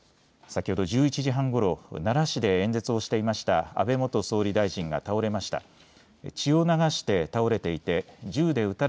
先ほど１１時半ごろ、奈良市で演説をしていました安倍元総理大臣が倒れました。